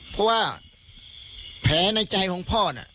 เพราะว่าแผลในใจของพ่อน่ะ